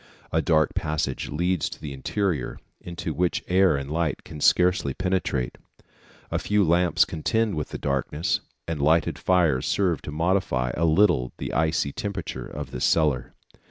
A dark passage leads to the interior, into which air and light can scarcely penetrate. A few lamps contend with the darkness, and lighted fires serve to modify a little the icy temperature of this cellar.